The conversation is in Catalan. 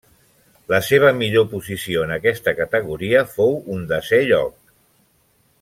La seva millor posició en aquesta categoria fou un desè lloc.